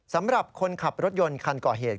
สำหรับคนขับรถยนต์คันก่อเหตุ